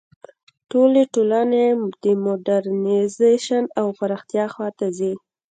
ټولې ټولنې د موډرنیزېشن او پراختیا خوا ته ځي.